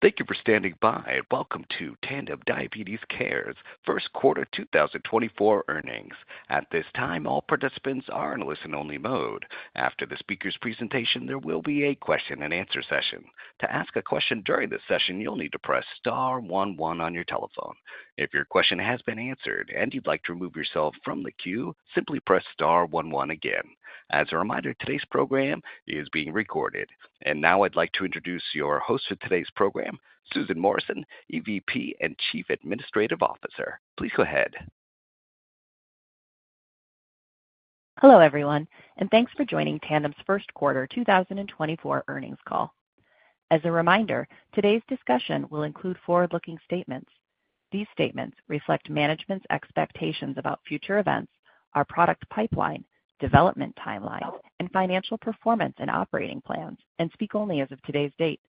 Thank you for standing by. Welcome to Tandem Diabetes Care's Q1 2024 earnings. At this time, all participants are in listen-only mode. After the speaker's presentation, there will be a question-and-answer session. To ask a question during this session, you'll need to press star 11 on your telephone. If your question has been answered and you'd like to remove yourself from the queue, simply press star 11 again. As a reminder, today's program is being recorded. Now I'd like to introduce your host for today's program, Susan Morris, EVP and Chief Administrative Officer. Please go ahead. Hello everyone, and thanks for joining Tandem's Q1 2024 earnings call. As a reminder, today's discussion will include forward-looking statements. These statements reflect management's expectations about future events, our product pipeline, development timelines, and financial performance and operating plans, and speak only as of today's date.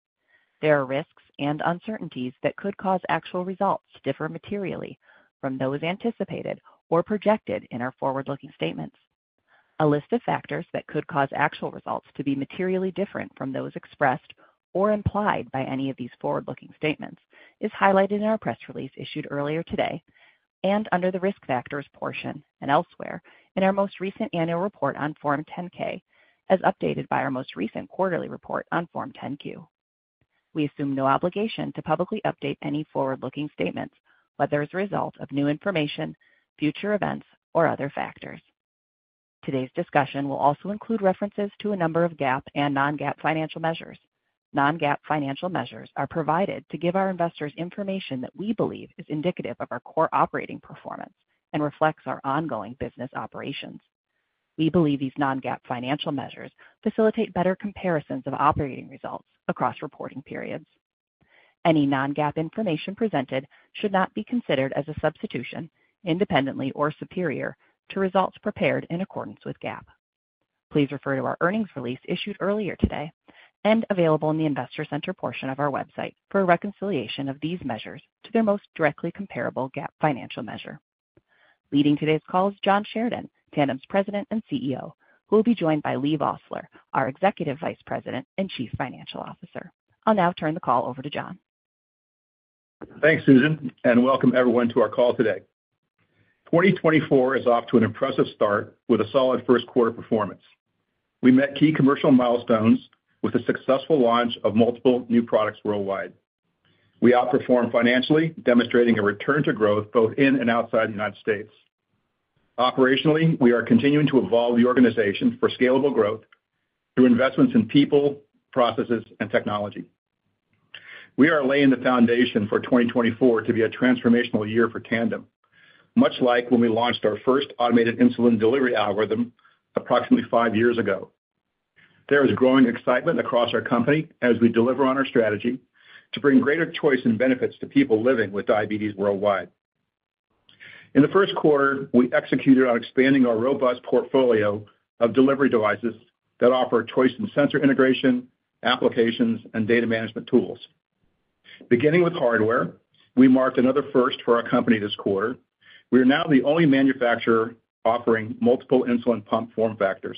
There are risks and uncertainties that could cause actual results to differ materially from those anticipated or projected in our forward-looking statements. A list of factors that could cause actual results to be materially different from those expressed or implied by any of these forward-looking statements is highlighted in our press release issued earlier today and under the risk factors portion and elsewhere in our most recent annual report on Form 10-K, as updated by our most recent quarterly report on Form 10-Q. We assume no obligation to publicly update any forward-looking statements, whether as a result of new information, future events, or other factors. Today's discussion will also include references to a number of GAAP and non-GAAP financial measures. Non-GAAP financial measures are provided to give our investors information that we believe is indicative of our core operating performance and reflects our ongoing business operations. We believe these non-GAAP financial measures facilitate better comparisons of operating results across reporting periods. Any non-GAAP information presented should not be considered as a substitution, independently, or superior to results prepared in accordance with GAAP. Please refer to our earnings release issued earlier today and available in the Investor Center portion of our website for a reconciliation of these measures to their most directly comparable GAAP financial measure. Leading today's call is John Sheridan, Tandem's President and CEO, who will be joined by Leigh Vosseller, our Executive Vice President and Chief Financial Officer. I'll now turn the call over to John. Thanks, Susan, and welcome everyone to our call today. 2024 is off to an impressive start with a solid Q1 performance. We met key commercial milestones with a successful launch of multiple new products worldwide. We outperform financially, demonstrating a return to growth both in and outside the United States. Operationally, we are continuing to evolve the organization for scalable growth through investments in people, processes, and technology. We are laying the foundation for 2024 to be a transformational year for Tandem, much like when we launched our first automated insulin delivery algorithm approximately five years ago. There is growing excitement across our company as we deliver on our strategy to bring greater choice and benefits to people living with diabetes worldwide. In the Q1, we executed on expanding our robust portfolio of delivery devices that offer choice and sensor integration, applications, and data management tools. Beginning with hardware, we marked another first for our company this quarter. We are now the only manufacturer offering multiple insulin pump form factors.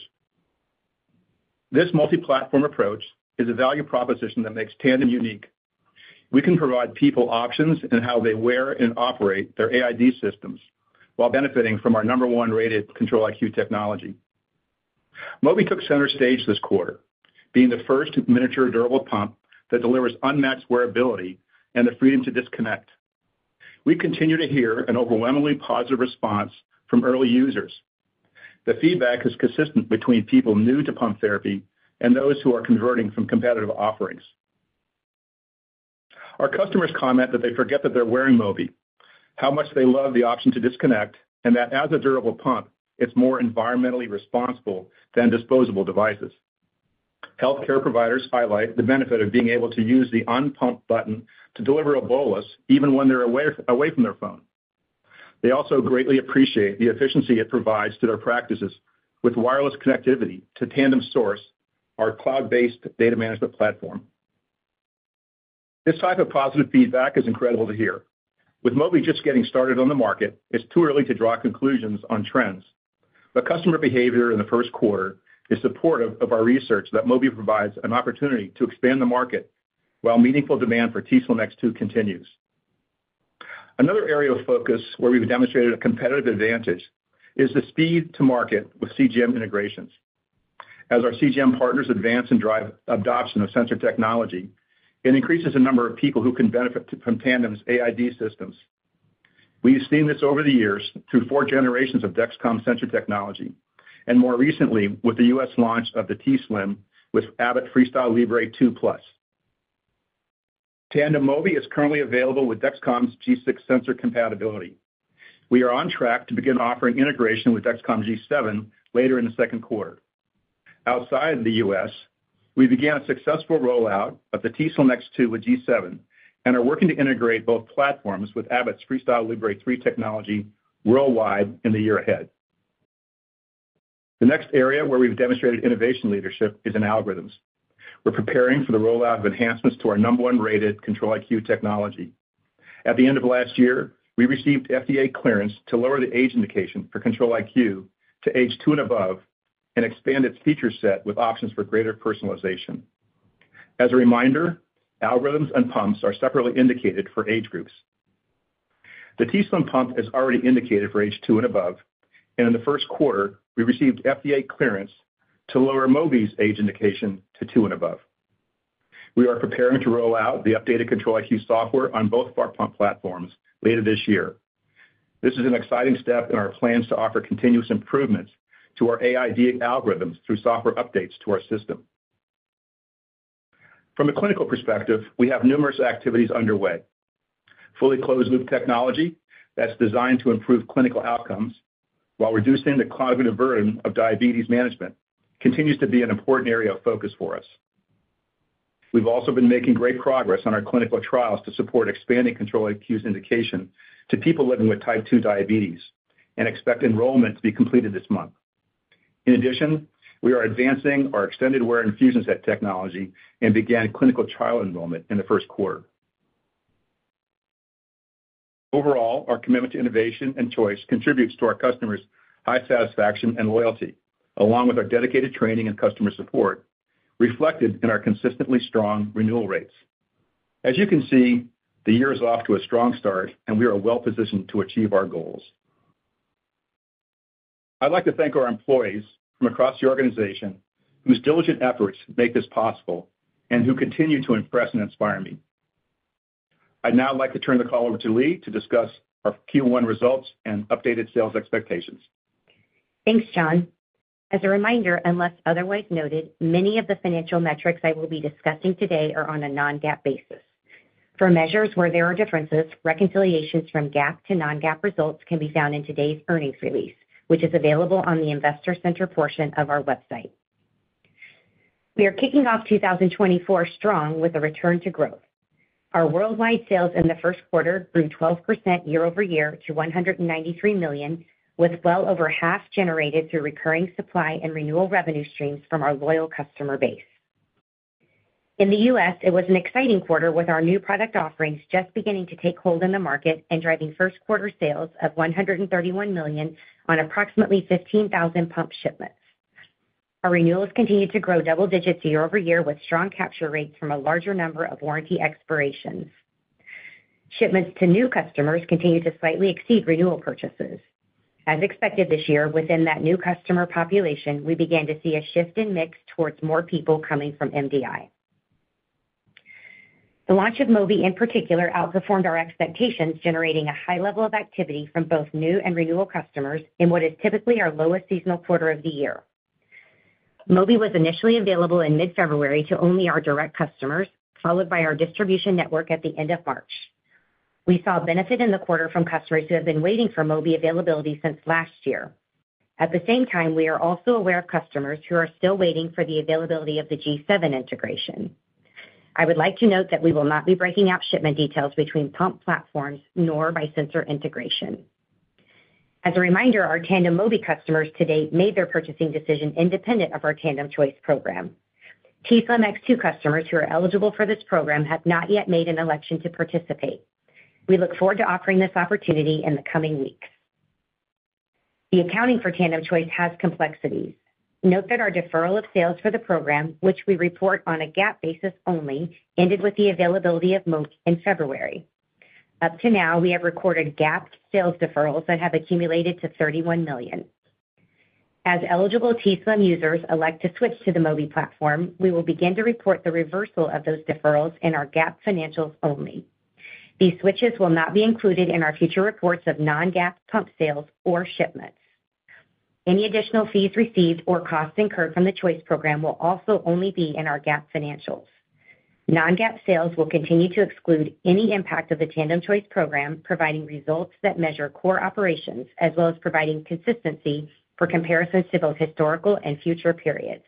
This multi-platform approach is a value proposition that makes Tandem unique. We can provide people options in how they wear and operate their AID systems while benefiting from our number one rated Control-IQ technology. Mobi took center stage this quarter, being the first miniature durable pump that delivers unmatched wearability and the freedom to disconnect. We continue to hear an overwhelmingly positive response from early users. The feedback is consistent between people new to pump therapy and those who are converting from competitive offerings. Our customers comment that they forget that they're wearing Mobi, how much they love the option to disconnect, and that as a durable pump, it's more environmentally responsible than disposable devices. Healthcare providers highlight the benefit of being able to use the unpause button to deliver a bolus even when they're away from their phone. They also greatly appreciate the efficiency it provides to their practices with wireless connectivity to Tandem Source, our cloud-based data management platform. This type of positive feedback is incredible to hear. With Mobi just getting started on the market, it's too early to draw conclusions on trends. But customer behavior in the Q1 is supportive of our research that Mobi provides an opportunity to expand the market while meaningful demand for t:slim X2 continues. Another area of focus where we've demonstrated a competitive advantage is the speed to market with CGM integrations. As our CGM partners advance and drive adoption of sensor technology, it increases the number of people who can benefit from Tandem's AID systems. We've seen this over the years through four generations of Dexcom sensor technology and more recently with the U.S. launch of the t:slim X2 with Abbott FreeStyle Libre 2 Plus. Tandem Mobi is currently available with Dexcom G6 sensor compatibility. We are on track to begin offering integration with Dexcom G7 later in the Q2. Outside of the U.S., we began a successful rollout of the t:slim X2 with G7 and are working to integrate both platforms with Abbott's FreeStyle Libre 3 technology worldwide in the year ahead. The next area where we've demonstrated innovation leadership is in algorithms. We're preparing for the rollout of enhancements to our number one rated Control-IQ technology. At the end of last year, we received FDA clearance to lower the age indication for Control-IQ to age 2 and above and expand its feature set with options for greater personalization. As a reminder, algorithms and pumps are separately indicated for age groups. The t:slim X2 pump is already indicated for age two and above, and in the Q1, we received FDA clearance to lower Mobi's age indication to two and above. We are preparing to roll out the updated Control-IQ software on both of our pump platforms later this year. This is an exciting step in our plans to offer continuous improvements to our AID algorithms through software updates to our system. From a clinical perspective, we have numerous activities underway. Fully closed-loop technology that's designed to improve clinical outcomes while reducing the cognitive burden of diabetes management continues to be an important area of focus for us. We've also been making great progress on our clinical trials to support expanding Control-IQ's indication to people living with type 2 diabetes and expect enrollment to be completed this month. I'd like to thank our employees from across the organization whose diligent efforts make this possible and who continue to impress and inspire me. I'd now like to turn the call over to Lee to discuss our Q1 results and updated sales expectations. Thanks, John. As a reminder, unless otherwise noted, many of the financial metrics I will be discussing today are on a non-GAAP basis. For measures where there are differences, reconciliations from GAAP to non-GAAP results can be found in today's earnings release, which is available on the Investor Center portion of our website. We are kicking off 2024 strong with a return to growth. Our worldwide sales in the Q1 grew 12% year-over-year to $193 million, with well over half generated through recurring supply and renewal revenue streams from our loyal customer base. In the U.S., it was an exciting quarter with our new product offerings just beginning to take hold in the market and driving Q1 sales of $131 million on approximately 15,000 pump shipments. Our renewals continued to grow double digits year-over-year with strong capture rates from a larger number of warranty expirations. Shipments to new customers continued to slightly exceed renewal purchases. As expected this year, within that new customer population, we began to see a shift in mix towards more people coming from MDI. The launch of Mobi, in particular, outperformed our expectations, generating a high level of activity from both new and renewal customers in what is typically our lowest seasonal quarter of the year. Mobi was initially available in mid-February to only our direct customers, followed by our distribution network at the end of March. We saw benefit in the quarter from customers who have been waiting for Mobi availability since last year. At the same time, we are also aware of customers who are still waiting for the availability of the G7 integration. I would like to note that we will not be breaking out shipment details between pump platforms nor by sensor integration. As a reminder, our Tandem Mobi customers today made their purchasing decision independent of our Tandem Choice program. t:slim X2 customers who are eligible for this program have not yet made an election to participate. We look forward to offering this opportunity in the coming weeks. The accounting for Tandem Choice has complexities. Note that our deferral of sales for the program, which we report on a GAAP basis only, ended with the availability of Mobi in February. Up to now, we have recorded GAAP sales deferrals that have accumulated to $31 million. As eligible t:slim users elect to switch to the Mobi platform, we will begin to report the reversal of those deferrals in our GAAP financials only. These switches will not be included in our future reports of non-GAAP pump sales or shipments. Any additional fees received or costs incurred from the Choice program will also only be in our GAAP financials. Non-GAAP sales will continue to exclude any impact of the Tandem Choice program, providing results that measure core operations as well as providing consistency for comparisons to both historical and future periods.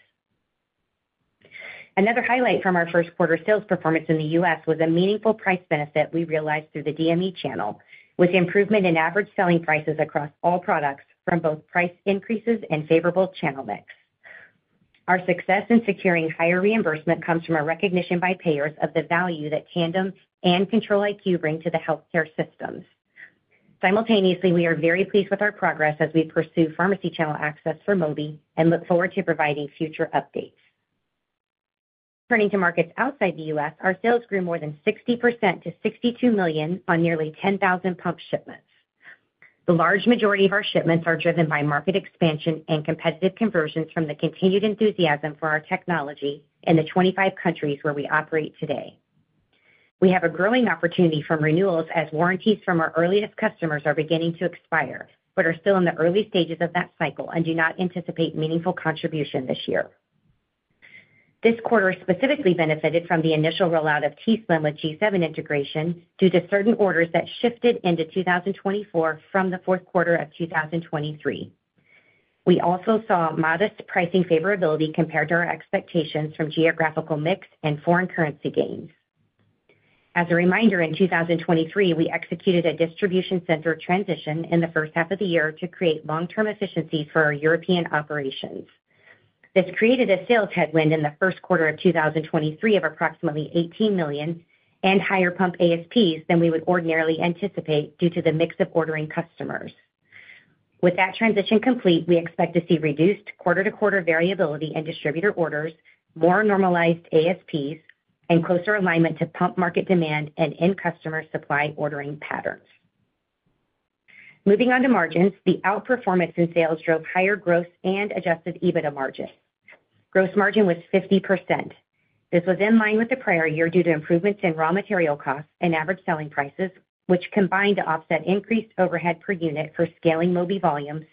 Another highlight from our Q1 sales performance in the U.S. was a meaningful price benefit we realized through the DME channel, with improvement in average selling prices across all products from both price increases and favorable channel mix. Our success in securing higher reimbursement comes from a recognition by payers of the value that Tandem and Control-IQ bring to the healthcare systems. Simultaneously, we are very pleased with our progress as we pursue pharmacy channel access for Mobi and look forward to providing future updates. Turning to markets outside the U.S., our sales grew more than 60% to $62 million on nearly 10,000 pump shipments. The large majority of our shipments are driven by market expansion and competitive conversions from the continued enthusiasm for our technology in the 25 countries where we operate today. We have a growing opportunity from renewals as warranties from our earliest customers are beginning to expire but are still in the early stages of that cycle and do not anticipate meaningful contribution this year. This quarter specifically benefited from the initial rollout of t:slim with G7 integration due to certain orders that shifted into 2024 from the Q4 of 2023. We also saw modest pricing favorability compared to our expectations from geographical mix and foreign currency gains. As a reminder, in 2023, we executed a distribution center transition in the first half of the year to create long-term efficiencies for our European operations. This created a sales headwind in the Q1 of 2023 of approximately $18 million and higher pump ASPs than we would ordinarily anticipate due to the mix of ordering customers. With that transition complete, we expect to see reduced quarter-to-quarter variability in distributor orders, more normalized ASPs, and closer alignment to pump market demand and end customer supply ordering patterns. Moving on to margins, the outperformance in sales drove higher gross and adjusted EBITDA margins. Gross margin was 50%. This was in line with the prior year due to improvements in raw material costs and average selling prices, which combined to offset increased overhead per unit for scaling Mobi volumes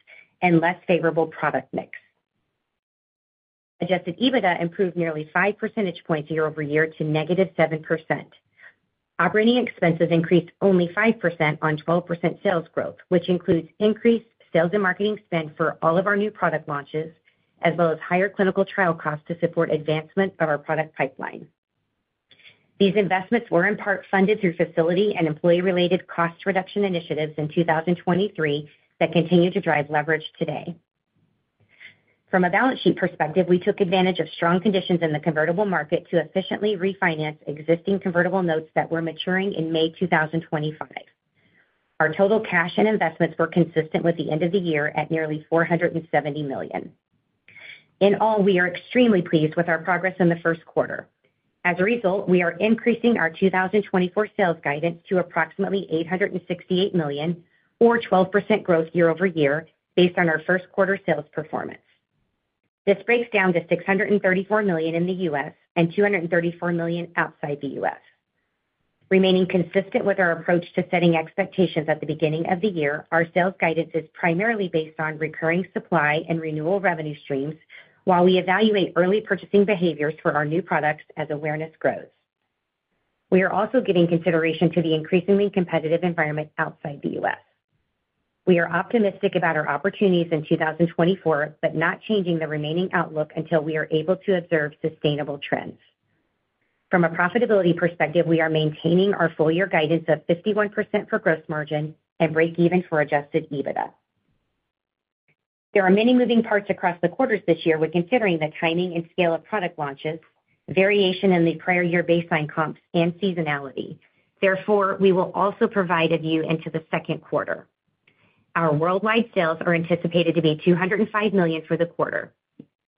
and less favorable product mix. Adjusted EBITDA improved nearly 5 percentage points year-over-year to -7%. Operating expenses increased only 5% on 12% sales growth, which includes increased sales and marketing spend for all of our new product launches as well as higher clinical trial costs to support advancement of our product pipeline. These investments were in part funded through facility and employee-related cost reduction initiatives in 2023 that continue to drive leverage today. From a balance sheet perspective, we took advantage of strong conditions in the convertible market to efficiently refinance existing convertible notes that were maturing in May 2025. Our total cash and investments were consistent with the end of the year at nearly $470 million. In all, we are extremely pleased with our progress in the Q1. As a result, we are increasing our 2024 sales guidance to approximately $868 million or 12% growth year-over-year based on our Q1 sales performance. This breaks down to $634 million in the US and $234 million outside the US. Remaining consistent with our approach to setting expectations at the beginning of the year, our sales guidance is primarily based on recurring supply and renewal revenue streams while we evaluate early purchasing behaviors for our new products as awareness grows. We are also giving consideration to the increasingly competitive environment outside the US. We are optimistic about our opportunities in 2024 but not changing the remaining outlook until we are able to observe sustainable trends. From a profitability perspective, we are maintaining our full-year guidance of 51% for gross margin and break-even for adjusted EBITDA. There are many moving parts across the quarters this year with considering the timing and scale of product launches, variation in the prior year baseline comps, and seasonality. Therefore, we will also provide a view into the Q2. Our worldwide sales are anticipated to be $205 million for the quarter.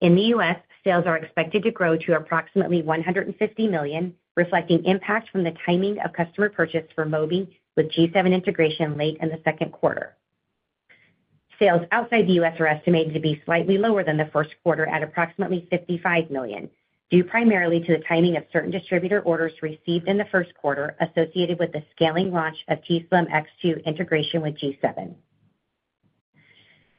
In the US, sales are expected to grow to approximately $150 million, reflecting impact from the timing of customer purchase for Mobi with G7 integration late in the Q2. Sales outside the US are estimated to be slightly lower than the Q1 at approximately $55 million due primarily to the timing of certain distributor orders received in the Q1 associated with the scaling launch of t:slim X2 integration with G7.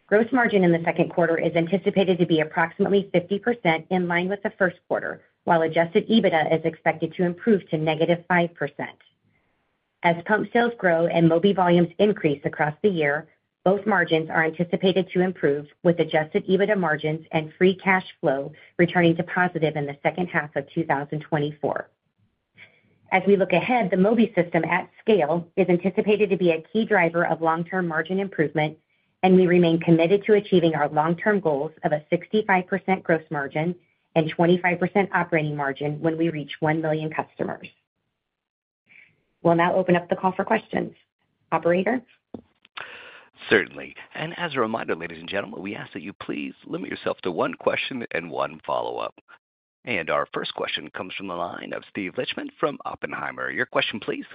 Gross margin in the Q2 is anticipated to be approximately 50% in line with the Q1 while adjusted EBITDA is expected to improve to -5%. As pump sales grow and Mobi volumes increase across the year, both margins are anticipated to improve with adjusted EBITDA margins and free cash flow returning to positive in the second half of 2024. As we look ahead, the Mobi system at scale is anticipated to be a key driver of long-term margin improvement, and we remain committed to achieving our long-term goals of a 65% gross margin and 25% operating margin when we reach 1 million customers. We'll now open up the call for questions. Operator? Certainly. As a reminder, ladies and gentlemen, we ask that you please limit yourself to one question and one follow-up. Our first question comes from the line of Steve Lichtman from Oppenheimer. Your question, please.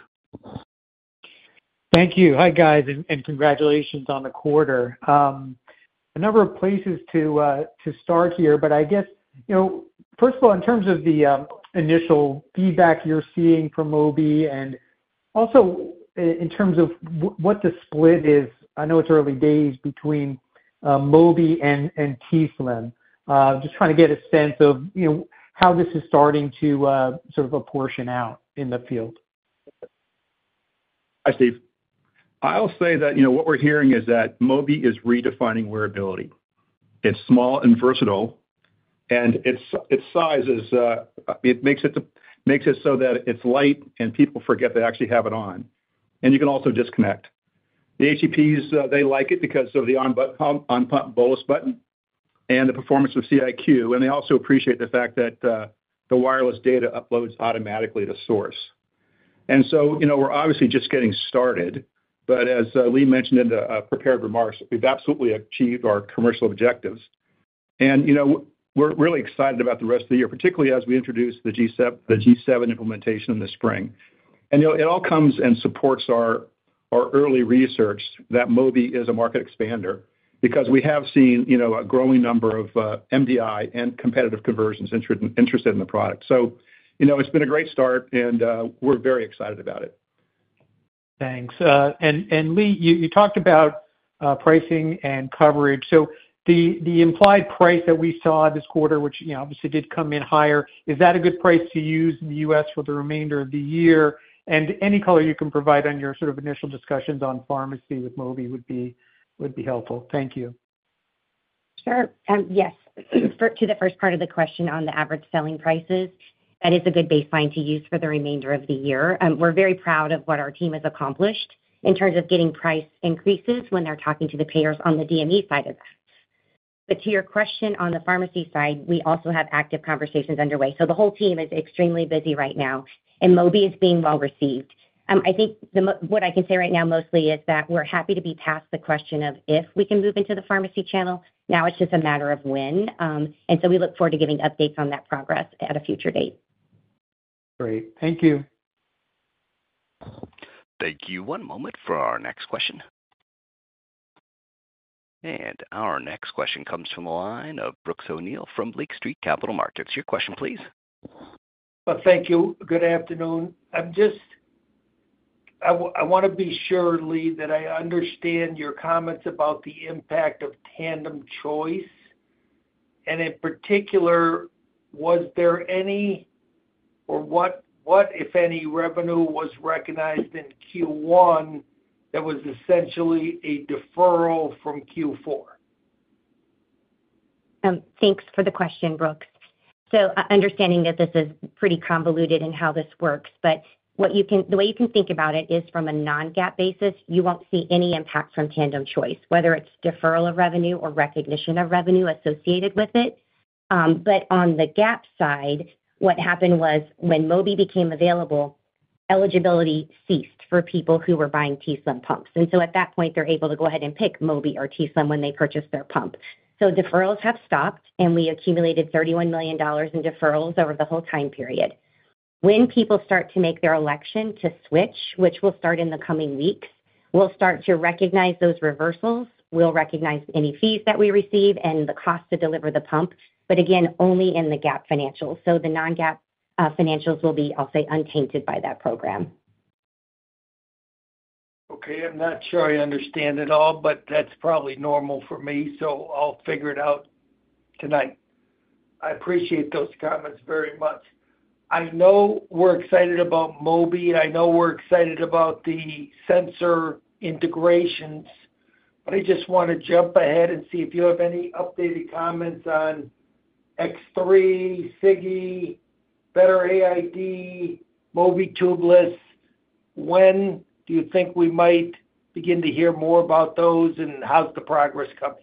Thank you. Hi, guys, and congratulations on the quarter. A number of places to start here, but I guess, first of all, in terms of the initial feedback you're seeing from Mobi and also in terms of what the split is. I know it's early days between Mobi and t:slim. Just trying to get a sense of how this is starting to sort of apportion out in the field. Hi, Steve. I'll say that what we're hearing is that Mobi is redefining wearability. It's small and versatile, and its size is it makes it so that it's light and people forget they actually have it on. And you can also disconnect. The HCPs, they like it because of the on-pump bolus button and the performance of CIQ, and they also appreciate the fact that the wireless data uploads automatically to Source. And so we're obviously just getting started, but as Lee mentioned in the prepared remarks, we've absolutely achieved our commercial objectives. And we're really excited about the rest of the year, particularly as we introduce the G7 implementation in the spring. And it all comes and supports our early research that Mobi is a market expander because we have seen a growing number of MDI and competitive conversions interested in the product. It's been a great start, and we're very excited about it. Thanks. Lee, you talked about pricing and coverage. The implied price that we saw this quarter, which obviously did come in higher, is that a good price to use in the U.S. for the remainder of the year? Any color you can provide on your sort of initial discussions on pharmacy with Mobi would be helpful. Thank you. Sure. Yes. To the first part of the question on the average selling prices, that is a good baseline to use for the remainder of the year. We're very proud of what our team has accomplished in terms of getting price increases when they're talking to the payers on the DME side of that. But to your question on the pharmacy side, we also have active conversations underway. So the whole team is extremely busy right now, and Mobi is being well received. I think what I can say right now mostly is that we're happy to be past the question of if we can move into the pharmacy channel. Now it's just a matter of when. And so we look forward to giving updates on that progress at a future date. Great. Thank you. Thank you. One moment for our next question. Our next question comes from the line of Brooks O'Neil from Lake Street Capital Markets. Your question, please. Well, thank you. Good afternoon. I want to be sure, Lee, that I understand your comments about the impact of Tandem Choice. In particular, was there any or what, if any, revenue was recognized in Q1 that was essentially a deferral from Q4? Thanks for the question, Brooks. So understanding that this is pretty convoluted in how this works, but the way you can think about it is from a non-GAAP basis, you won't see any impact from Tandem Choice, whether it's deferral of revenue or recognition of revenue associated with it. But on the GAAP side, what happened was when Mobi became available, eligibility ceased for people who were buying t:slim pumps. And so at that point, they're able to go ahead and pick Mobi or t:slim when they purchase their pump. So deferrals have stopped, and we accumulated $31 million in deferrals over the whole time period. When people start to make their election to switch, which will start in the coming weeks, we'll start to recognize those reversals. We'll recognize any fees that we receive and the cost to deliver the pump, but again, only in the GAAP financials. The non-GAAP financials will be, I'll say, untainted by that program. Okay. I'm not sure I understand at all, but that's probably normal for me, so I'll figure it out tonight. I appreciate those comments very much. I know we're excited about Mobi, and I know we're excited about the sensor integrations, but I just want to jump ahead and see if you have any updated comments on X3, Sigi, Better AID, Mobi tubeless. When do you think we might begin to hear more about those, and how's the progress coming?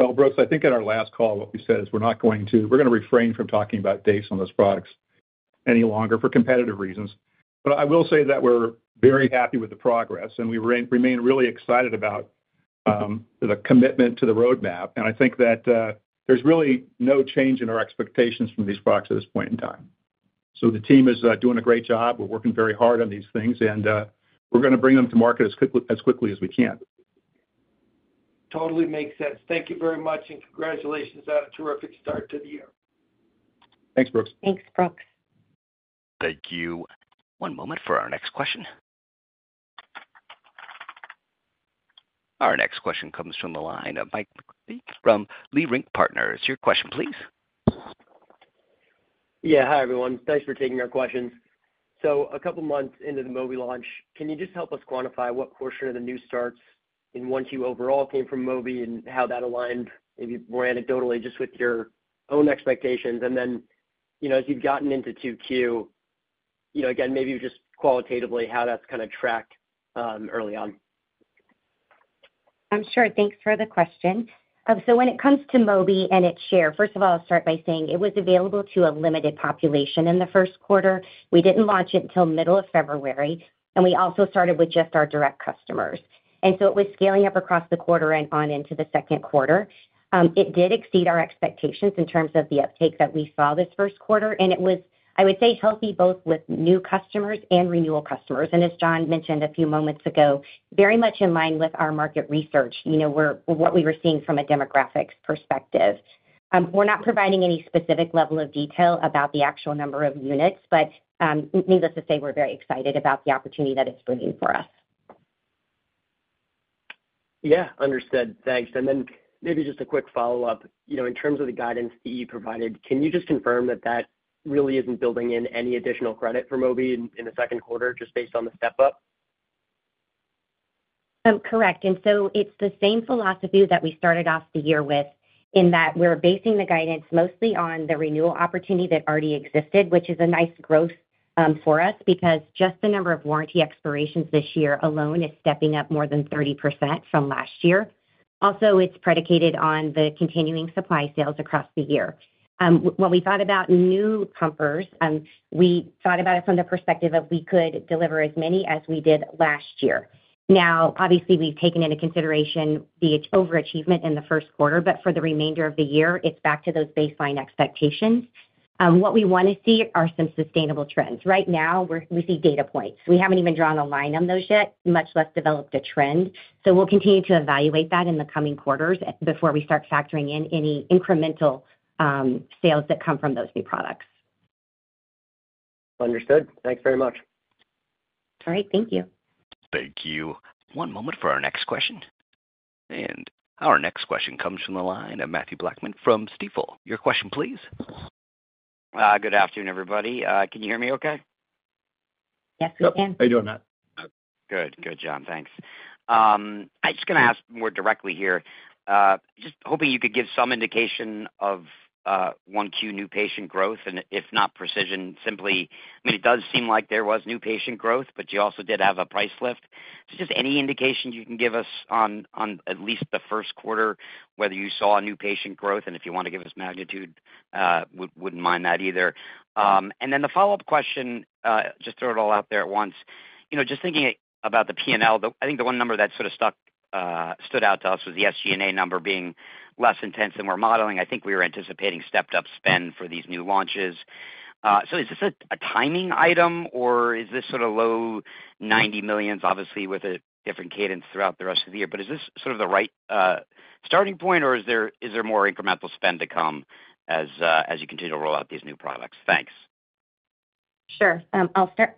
Well, Brooks, I think at our last call, what we said is we're not going to refrain from talking about DACE on those products any longer for competitive reasons. But I will say that we're very happy with the progress, and we remain really excited about the commitment to the roadmap. And I think that there's really no change in our expectations from these products at this point in time. So the team is doing a great job. We're working very hard on these things, and we're going to bring them to market as quickly as we can. Totally makes sense. Thank you very much, and congratulations on a terrific start to the year. Thanks, Brooks. Thanks, Brooks. Thank you. One moment for our next question. Our next question comes from the line of Mike McCarthy from Leerink Partners. Your question, please. Yeah. Hi, everyone. Thanks for taking our questions. So a couple of months into the Mobi launch, can you just help us quantify what portion of the new starts in 1Q overall came from Mobi and how that aligned, maybe more anecdotally, just with your own expectations? And then as you've gotten into 2Q, again, maybe just qualitatively how that's kind of tracked early on. Sure. Thanks for the question. So when it comes to Mobi and its share, first of all, I'll start by saying it was available to a limited population in the Q1. We didn't launch it until middle of February, and we also started with just our direct customers. And so it was scaling up across the quarter and on into the Q2. It did exceed our expectations in terms of the uptake that we saw this Q1, and it was, I would say, healthy both with new customers and renewal customers. And as John mentioned a few moments ago, very much in line with our market research, what we were seeing from a demographics perspective. We're not providing any specific level of detail about the actual number of units, but needless to say, we're very excited about the opportunity that it's bringing for us. Yeah. Understood. Thanks. And then maybe just a quick follow-up. In terms of the guidance that you provided, can you just confirm that that really isn't building in any additional credit for Mobi in the Q2 just based on the step-up? Correct. And so it's the same philosophy that we started off the year with in that we're basing the guidance mostly on the renewal opportunity that already existed, which is a nice growth for us because just the number of warranty expirations this year alone is stepping up more than 30% from last year. Also, it's predicated on the continuing supply sales across the year. When we thought about new pumpers, we thought about it from the perspective of we could deliver as many as we did last year. Now, obviously, we've taken into consideration the overachievement in the Q1, but for the remainder of the year, it's back to those baseline expectations. What we want to see are some sustainable trends. Right now, we see data points. We haven't even drawn a line on those yet, much less developed a trend. We'll continue to evaluate that in the coming quarters before we start factoring in any incremental sales that come from those new products. Understood. Thanks very much. All right. Thank you. Thank you. One moment for our next question. Our next question comes from the line of Mathew Blackman from Stifel. Your question, please. Good afternoon, everybody. Can you hear me okay? Yes, we can. How you doing, Matt? Good. Good, John. Thanks. I was just going to ask more directly here. Just hoping you could give some indication of 1Q new patient growth and, if not precision, simply I mean, it does seem like there was new patient growth, but you also did have a price lift. So just any indication you can give us on at least the Q1, whether you saw new patient growth, and if you want to give us magnitude, wouldn't mind that either. And then the follow-up question, just throw it all out there at once. Just thinking about the P&L, I think the one number that sort of stood out to us was the SG&A number being less intense than we're modeling. I think we were anticipating stepped-up spend for these new launches. So is this a timing item, or is this sort of low $90 million, obviously, with a different cadence throughout the rest of the year? But is this sort of the right starting point, or is there more incremental spend to come as you continue to roll out these new products? Thanks. Sure. I'll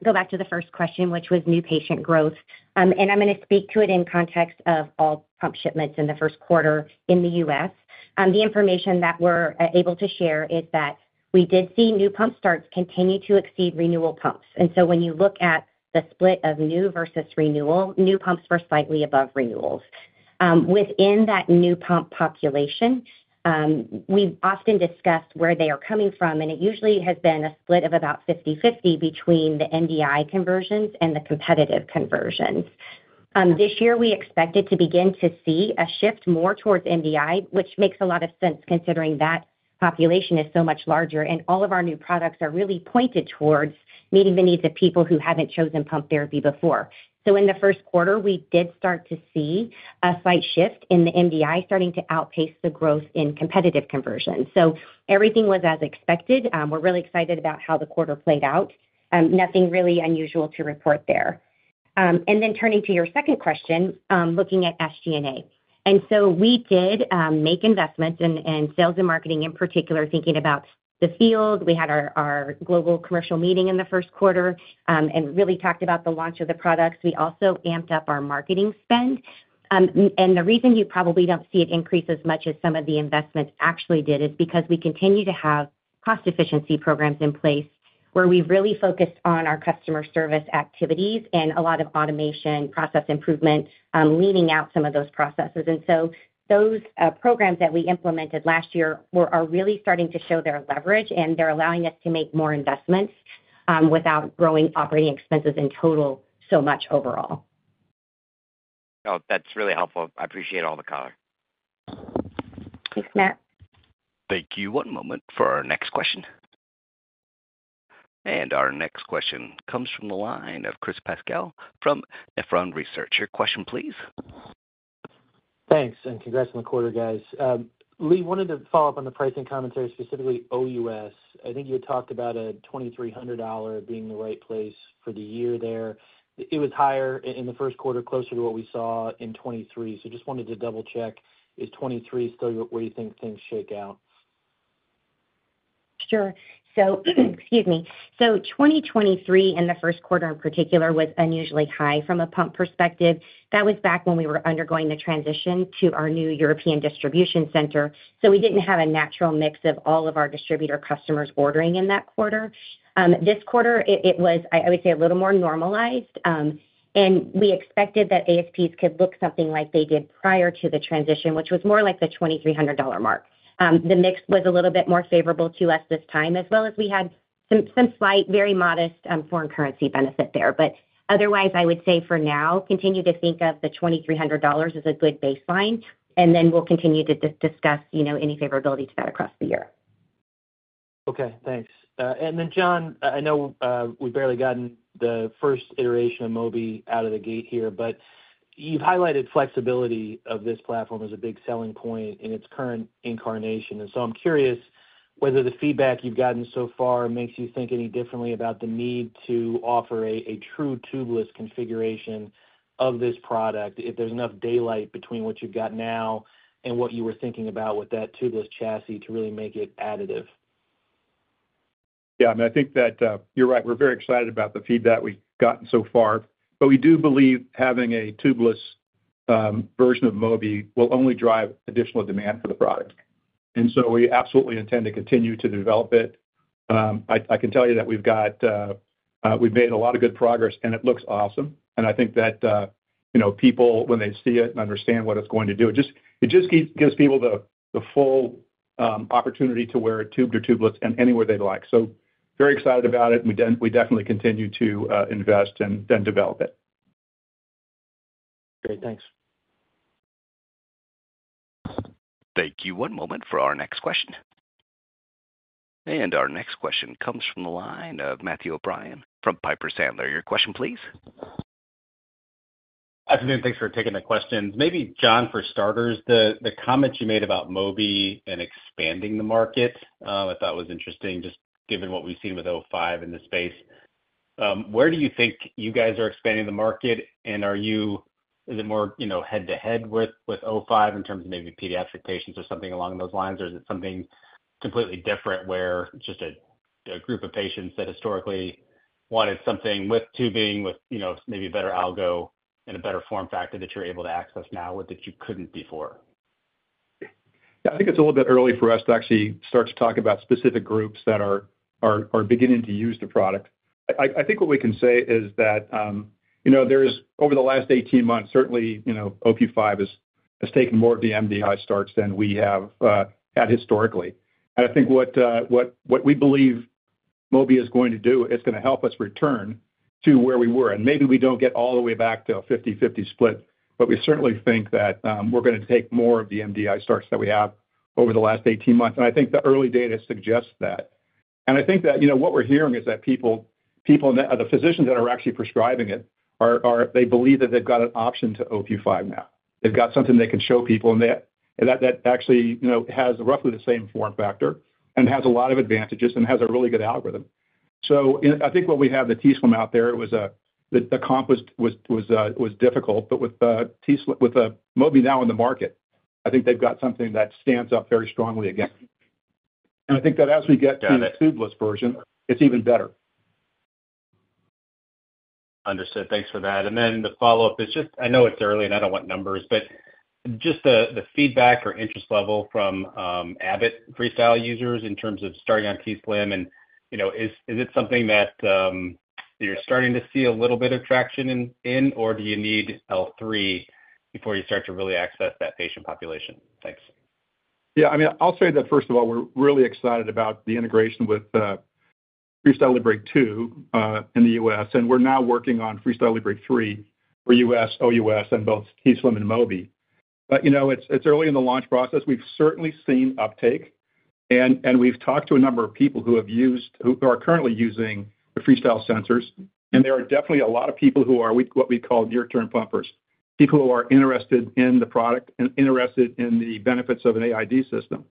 go back to the first question, which was new patient growth. I'm going to speak to it in context of all pump shipments in the Q1 in the U.S. The information that we're able to share is that we did see new pump starts continue to exceed renewal pumps. So when you look at the split of new versus renewal, new pumps were slightly above renewals. Within that new pump population, we often discuss where they are coming from, and it usually has been a split of about 50/50 between the MDI conversions and the competitive conversions. This year, we expected to begin to see a shift more towards MDI, which makes a lot of sense considering that population is so much larger, and all of our new products are really pointed towards meeting the needs of people who haven't chosen pump therapy before. So in the Q1, we did start to see a slight shift in the NDI starting to outpace the growth in competitive conversions. So everything was as expected. We're really excited about how the quarter played out. Nothing really unusual to report there. And then turning to your second question, looking at SG&A. And so we did make investments, and sales and marketing in particular, thinking about the field. We had our global commercial meeting in the Q1 and really talked about the launch of the products. We also amped up our marketing spend. And the reason you probably don't see it increase as much as some of the investments actually did is because we continue to have cost efficiency programs in place where we've really focused on our customer service activities and a lot of automation, process improvement, leaning out some of those processes. And so those programs that we implemented last year are really starting to show their leverage, and they're allowing us to make more investments without growing operating expenses in total so much overall. Oh, that's really helpful. I appreciate all the color. Thanks, Matt. Thank you. One moment for our next question. Our next question comes from the line of Chris Pasquale from Nephron Research. Your question, please. Thanks. Congrats on the quarter, guys. Lee, wanted to follow up on the pricing commentary, specifically OUS. I think you had talked about a $2,300 being the right place for the year there. It was higher in the Q1, closer to what we saw in 2023. Just wanted to double-check. Is 2023 still where you think things shake out? Sure. Excuse me. So 2023, in the Q1 in particular, was unusually high from a pump perspective. That was back when we were undergoing the transition to our new European distribution center. So we didn't have a natural mix of all of our distributor customers ordering in that quarter. This quarter, it was, I would say, a little more normalized. And we expected that ASPs could look something like they did prior to the transition, which was more like the $2,300 mark. The mix was a little bit more favorable to us this time, as well as we had some slight, very modest foreign currency benefit there. But otherwise, I would say for now, continue to think of the $2,300 as a good baseline, and then we'll continue to discuss any favorability to that across the year. Okay. Thanks. And then, John, I know we've barely gotten the first iteration of Mobi out of the gate here, but you've highlighted flexibility of this platform as a big selling point in its current incarnation. And so I'm curious whether the feedback you've gotten so far makes you think any differently about the need to offer a true tubeless configuration of this product, if there's enough daylight between what you've got now and what you were thinking about with that tubeless chassis to really make it additive. Yeah. I mean, I think that you're right. We're very excited about the feedback we've gotten so far. But we do believe having a tubeless version of Mobi will only drive additional demand for the product. And so we absolutely intend to continue to develop it. I can tell you that we've made a lot of good progress, and it looks awesome. And I think that people, when they see it and understand what it's going to do, it just gives people the full opportunity to wear it tube to tubeless and anywhere they'd like. So very excited about it, and we definitely continue to invest and develop it. Great. Thanks. Thank you. One moment for our next question. Our next question comes from the line of Matthew O'Brien from Piper Sandler. Your question, please. Afternoon. Thanks for taking the questions. Maybe, John, for starters, the comments you made about Mobi and expanding the market, I thought was interesting, just given what we've seen with O5 in this space. Where do you think you guys are expanding the market, and is it more head-to-head with O5 in terms of maybe pediatric patients or something along those lines, or is it something completely different where just a group of patients that historically wanted something with tubing, with maybe better algo and a better form factor that you're able to access now with that you couldn't before? Yeah. I think it's a little bit early for us to actually start to talk about specific groups that are beginning to use the product. I think what we can say is that over the last 18 months, certainly, Omnipod 5 has taken more of the MDI starts than we have had historically. And I think what we believe Mobi is going to do, it's going to help us return to where we were. And maybe we don't get all the way back to a 50/50 split, but we certainly think that we're going to take more of the MDI starts that we have over the last 18 months. And I think the early data suggests that. And I think that what we're hearing is that the physicians that are actually prescribing it, they believe that they've got an option to Omnipod 5 now. They've got something they can show people, and that actually has roughly the same form factor and has a lot of advantages and has a really good algorithm. So I think when we had the t:slim out there, the comp was difficult. But with Mobi now in the market, I think they've got something that stands up very strongly again. And I think that as we get to the tubeless version, it's even better. Understood. Thanks for that. Then the follow-up is just I know it's early, and I don't want numbers, but just the feedback or interest level from Abbott FreeStyle users in terms of starting on t:slim, and is it something that you're starting to see a little bit of traction in, or do you need L3 before you start to really access that patient population? Thanks. Yeah. I mean, I'll say that, first of all, we're really excited about the integration with FreeStyle Libre 2 in the U.S. And we're now working on FreeStyle Libre 3 for U.S., OUS, and both t:slim and Mobi. But it's early in the launch process. We've certainly seen uptake, and we've talked to a number of people who are currently using the FreeStyle sensors. And there are definitely a lot of people who are what we call near-term pumpers, people who are interested in the product and interested in the benefits of an AID system.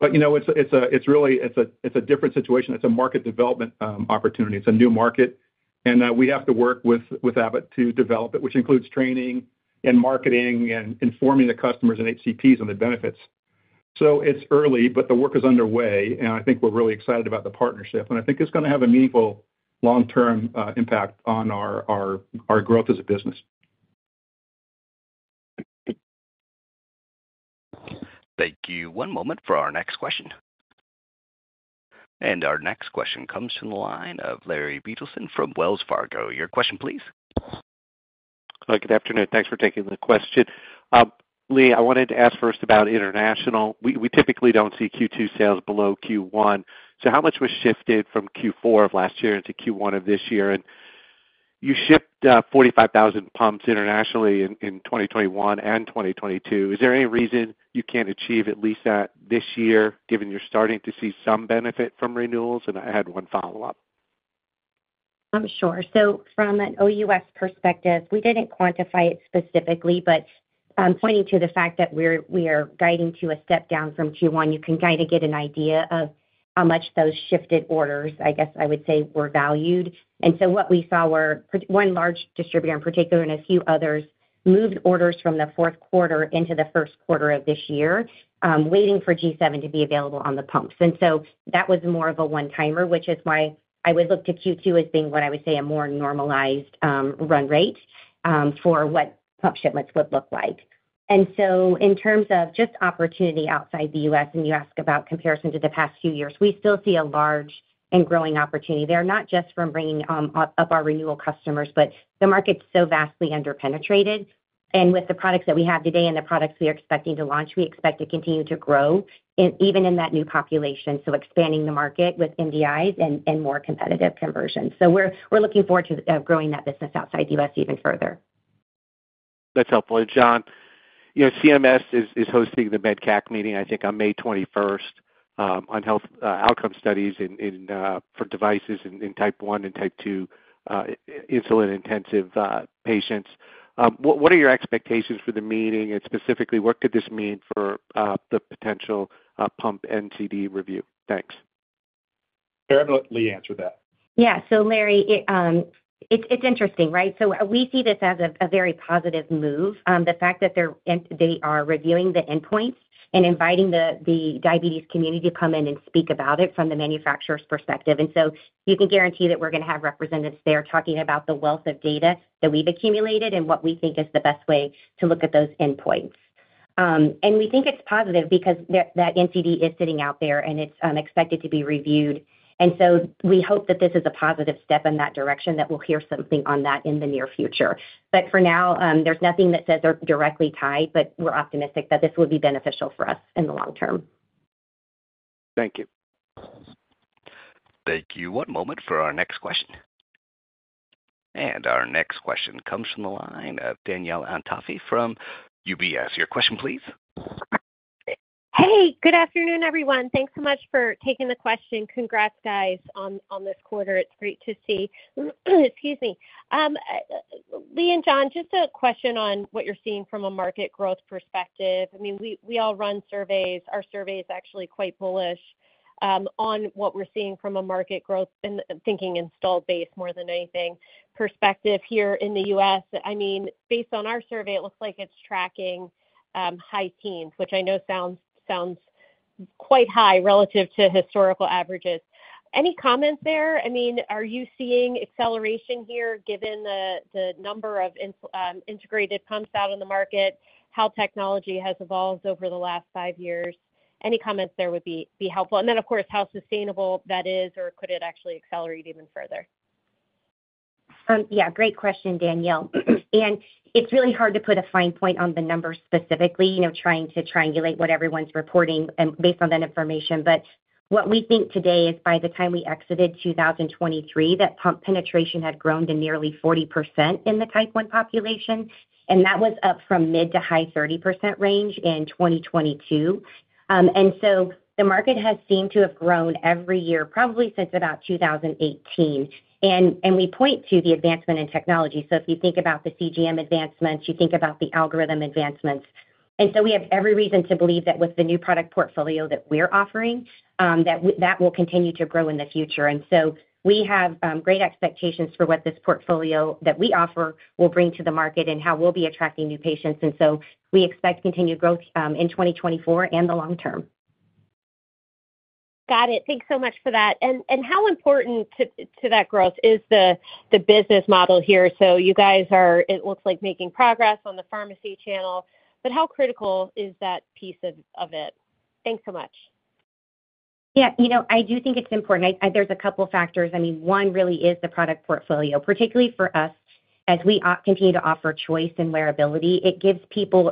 But it's a different situation. It's a market development opportunity. It's a new market, and we have to work with Abbott to develop it, which includes training and marketing and informing the customers and HCPs on the benefits. So it's early, but the work is underway, and I think we're really excited about the partnership. I think it's going to have a meaningful long-term impact on our growth as a business. Thank you. One moment for our next question. Our next question comes from the line of Larry Biegelsen from Wells Fargo. Your question, please. Good afternoon. Thanks for taking the question. Lee, I wanted to ask first about international. We typically don't see Q2 sales below Q1. So how much was shifted from Q4 of last year into Q1 of this year? And you shipped 45,000 pumps internationally in 2021 and 2022. Is there any reason you can't achieve at least that this year, given you're starting to see some benefit from renewals? And I had one follow-up. Sure. So from an OUS perspective, we didn't quantify it specifically, but pointing to the fact that we are guiding to a step down from Q1, you can kind of get an idea of how much those shifted orders, I guess I would say, were valued. And so what we saw were one large distributor in particular and a few others moved orders from the Q4 into the Q1 of this year, waiting for G7 to be available on the pumps. And so that was more of a one-timer, which is why I would look to Q2 as being what I would say a more normalized run rate for what pump shipments would look like. In terms of just opportunity outside the U.S., and you ask about comparison to the past few years, we still see a large and growing opportunity there, not just from bringing up our renewal customers, but the market's so vastly underpenetrated. With the products that we have today and the products we are expecting to launch, we expect to continue to grow even in that new population, so expanding the market with NDIs and more competitive conversions. We're looking forward to growing that business outside the U.S. even further. That's helpful. And John, CMS is hosting the MedCAC meeting, I think, on May 21st on health outcome studies for devices in type 1 and type 2 insulin-intensive patients. What are your expectations for the meeting, and specifically, what could this mean for the potential pump NCD review? Thanks. Sure. I'm going to let Leigh answer that. Yeah. So, Larry, it's interesting, right? So we see this as a very positive move, the fact that they are reviewing the endpoints and inviting the diabetes community to come in and speak about it from the manufacturer's perspective. And so you can guarantee that we're going to have representatives there talking about the wealth of data that we've accumulated and what we think is the best way to look at those endpoints. And we think it's positive because that NCD is sitting out there, and it's expected to be reviewed. And so we hope that this is a positive step in that direction, that we'll hear something on that in the near future. But for now, there's nothing that says they're directly tied, but we're optimistic that this will be beneficial for us in the long term. Thank you. Thank you. One moment for our next question. Our next question comes from the line of Danielle Antalffy from UBS. Your question, please. Hey. Good afternoon, everyone. Thanks so much for taking the question. Congrats, guys, on this quarter. It's great to see. Excuse me. Leigh and John, just a question on what you're seeing from a market growth perspective. I mean, we all run surveys. Our survey is actually quite bullish on what we're seeing from a market growth and thinking installed base more than anything perspective here in the U.S. I mean, based on our survey, it looks like it's tracking high teens, which I know sounds quite high relative to historical averages. Any comments there? I mean, are you seeing acceleration here given the number of integrated pumps out in the market, how technology has evolved over the last five years? Any comments there would be helpful. And then, of course, how sustainable that is, or could it actually accelerate even further? Yeah. Great question, Danielle. It's really hard to put a fine point on the numbers specifically, trying to triangulate what everyone's reporting based on that information. But what we think today is by the time we exited 2023, that pump penetration had grown to nearly 40% in the type 1 population. That was up from mid- to high-30% range in 2022. The market has seemed to have grown every year, probably since about 2018. We point to the advancement in technology. So if you think about the CGM advancements, you think about the algorithm advancements. We have every reason to believe that with the new product portfolio that we're offering, that will continue to grow in the future. We have great expectations for what this portfolio that we offer will bring to the market and how we'll be attracting new patients. We expect continued growth in 2024 and the long term. Got it. Thanks so much for that. How important to that growth is the business model here? You guys are, it looks like, making progress on the pharmacy channel. How critical is that piece of it? Thanks so much. Yeah. I do think it's important. There's a couple of factors. I mean, one really is the product portfolio, particularly for us, as we continue to offer choice and wearability.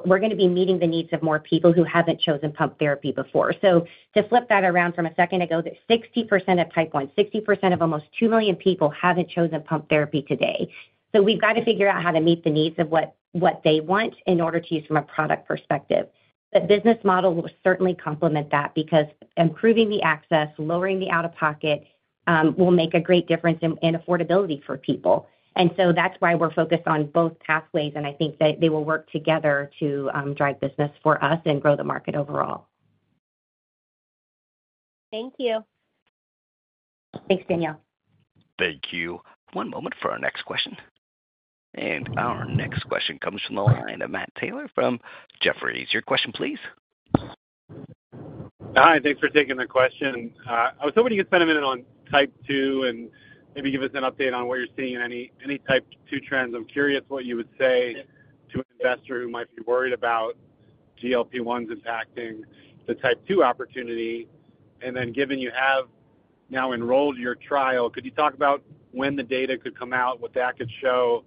We're going to be meeting the needs of more people who haven't chosen pump therapy before. So to flip that around from a second ago, that 60% of Type 1, 60% of almost 2 million people haven't chosen pump therapy today. So we've got to figure out how to meet the needs of what they want in order to use it from a product perspective. The business model will certainly complement that because improving the access, lowering the out-of-pocket, will make a great difference in affordability for people. And so that's why we're focused on both pathways, and I think that they will work together to drive business for us and grow the market overall. Thank you. Thanks, Danielle. Thank you. One moment for our next question. Our next question comes from the line of Matt Taylor from Jefferies. Your question, please. Hi. Thanks for taking the question. I was hoping you could spend a minute on type 2 and maybe give us an update on what you're seeing in any type 2 trends. I'm curious what you would say to an investor who might be worried about GLP-1s impacting the type 2 opportunity? And then given you have now enrolled your trial, could you talk about when the data could come out, what that could show,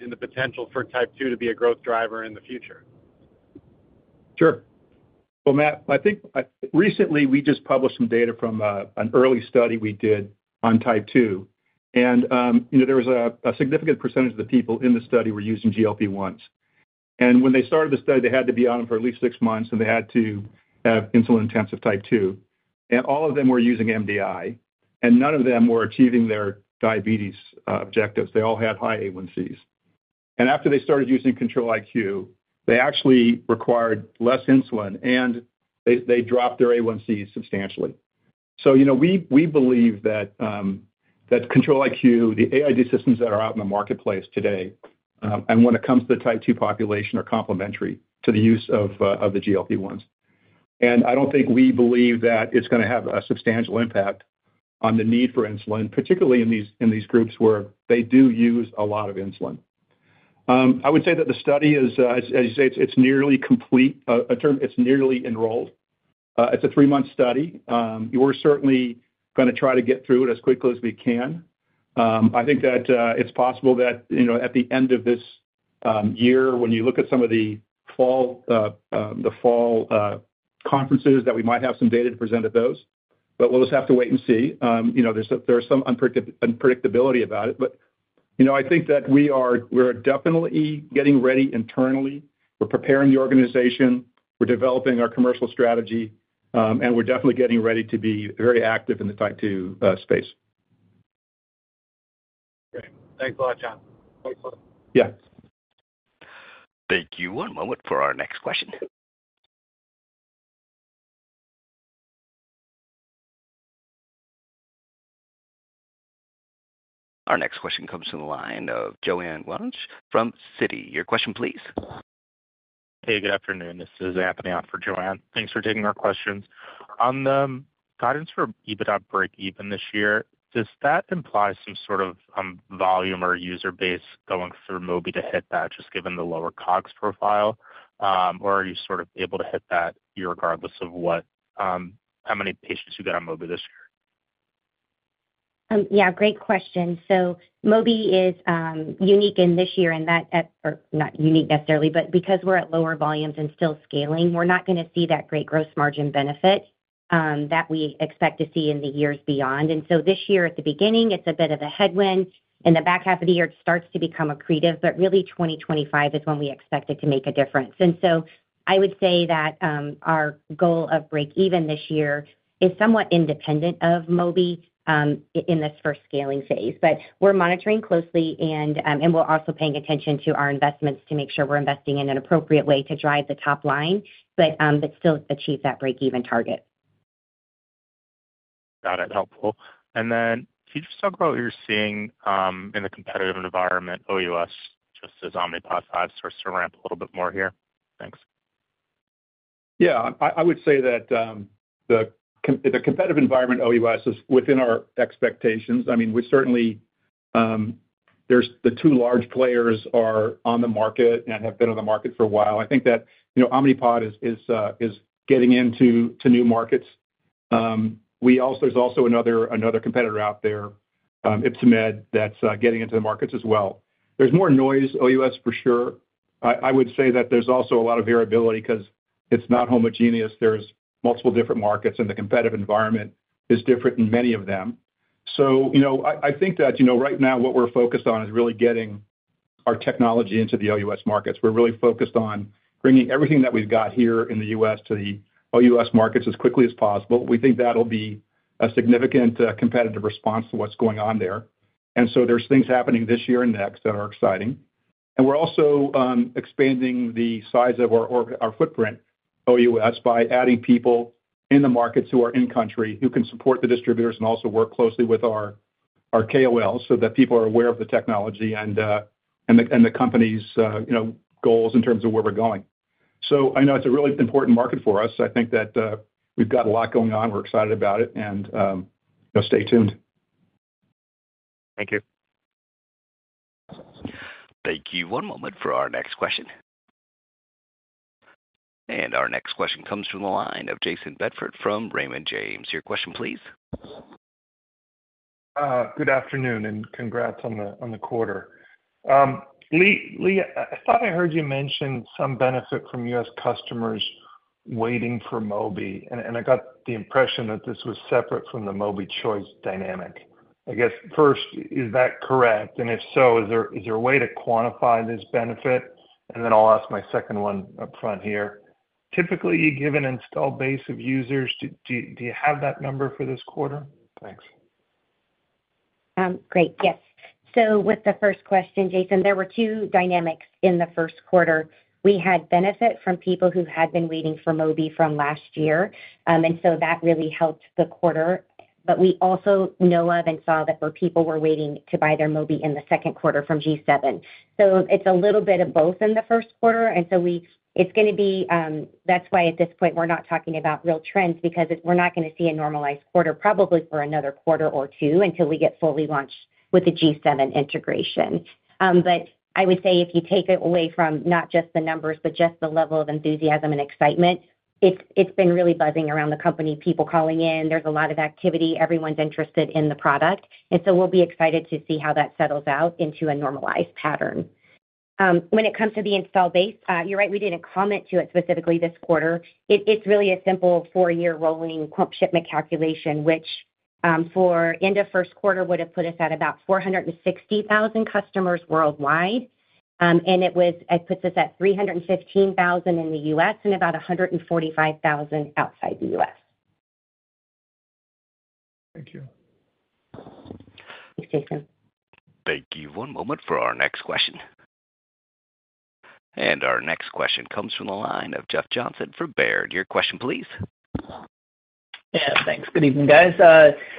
and the potential for type 2 to be a growth driver in the future? Sure. Well, Matt, I think recently, we just published some data from an early study we did on type 2. There was a significant percentage of the people in the study who were using GLP-1s. When they started the study, they had to be on them for at least 6 months, and they had to have insulin-intensive type 2. All of them were using MDI, and none of them were achieving their diabetes objectives. They all had high A1Cs. After they started using Control-IQ, they actually required less insulin, and they dropped their A1Cs substantially. So we believe that Control-IQ, the AID systems that are out in the marketplace today, and when it comes to the type 2 population, are complementary to the use of the GLP-1s. I don't think we believe that it's going to have a substantial impact on the need for insulin, particularly in these groups where they do use a lot of insulin. I would say that the study is, as you say, it's nearly complete. It's nearly enrolled. It's a three-month study. We're certainly going to try to get through it as quickly as we can. I think that it's possible that at the end of this year, when you look at some of the fall conferences, that we might have some data to present at those. We'll just have to wait and see. There's some unpredictability about it. I think that we are definitely getting ready internally. We're preparing the organization. We're developing our commercial strategy, and we're definitely getting ready to be very active in the type 2 space. Great. Thanks a lot, John. Thanks, Lauren. Yeah. Thank you. One moment for our next question. Our next question comes from the line of Joanne Wuensch from Citi. Your question, please. Hey. Good afternoon. This is Anthony on for Joanne. Thanks for taking our questions. On the guidance for EBITDA break-even this year, does that imply some sort of volume or user base going through Mobi to hit that, just given the lower COGS profile? Or are you sort of able to hit that regardless of how many patients you got on Mobi this year? Yeah. Great question. So Mobi is unique in this year, or not unique necessarily, but because we're at lower volumes and still scaling, we're not going to see that great gross margin benefit that we expect to see in the years beyond. And so this year, at the beginning, it's a bit of a headwind. In the back half of the year, it starts to become accretive, but really, 2025 is when we expect it to make a difference. And so I would say that our goal of break-even this year is somewhat independent of Mobi in this first scaling phase. But we're monitoring closely, and we're also paying attention to our investments to make sure we're investing in an appropriate way to drive the top line, but still achieve that break-even target. Got it. Helpful. And then could you just talk about what you're seeing in the competitive environment OUS, just as Omnipod 5 starts to ramp a little bit more here? Thanks. Yeah. I would say that the competitive environment OUS is within our expectations. I mean, there's the two large players are on the market and have been on the market for a while. I think that Omnipod is getting into new markets. There's also another competitor out there, Ypsomed, that's getting into the markets as well. There's more noise OUS, for sure. I would say that there's also a lot of variability because it's not homogeneous. There's multiple different markets, and the competitive environment is different in many of them. So I think that right now, what we're focused on is really getting our technology into the OUS markets. We're really focused on bringing everything that we've got here in the US to the OUS markets as quickly as possible. We think that'll be a significant competitive response to what's going on there. And so there's things happening this year and next that are exciting. And we're also expanding the size of our footprint OUS by adding people in the markets who are in-country who can support the distributors and also work closely with our KOLs so that people are aware of the technology and the company's goals in terms of where we're going. So I know it's a really important market for us. I think that we've got a lot going on. We're excited about it. And stay tuned. Thank you. Thank you. One moment for our next question. Our next question comes from the line of Jason Bedford from Raymond James. Your question, please. Good afternoon and congrats on the quarter. Lee, I thought I heard you mention some benefit from U.S. customers waiting for Mobi, and I got the impression that this was separate from the Mobi Choice dynamic. I guess, first, is that correct? And if so, is there a way to quantify this benefit? And then I'll ask my second one up front here. Typically, you give an installed base of users. Do you have that number for this quarter? Thanks. Great. Yes. So with the first question, Jason, there were two dynamics in the Q1. We had benefit from people who had been waiting for Mobi from last year, and so that really helped the quarter. But we also know of and saw that people were waiting to buy their Mobi in the Q2 from G7. So it's a little bit of both in the Q1. And so it's going to be that's why, at this point, we're not talking about real trends because we're not going to see a normalized quarter, probably for another quarter or two until we get fully launched with the G7 integration. But I would say if you take it away from not just the numbers, but just the level of enthusiasm and excitement, it's been really buzzing around the company, people calling in. There's a lot of activity. Everyone's interested in the product. So we'll be excited to see how that settles out into a normalized pattern. When it comes to the installed base, you're right. We didn't comment on it specifically this quarter. It's really a simple 4-year rolling pump shipment calculation, which for end of Q1 would have put us at about 460,000 customers worldwide. It puts us at 315,000 in the U.S. and about 145,000 outside the U.S. Thank you. Thanks, Jason. Thank you. One moment for our next question. Our next question comes from the line of Jeff Johnson for Baird. Your question, please. Yeah. Thanks. Good evening, guys.